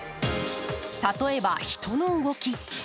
例えば、人の動き。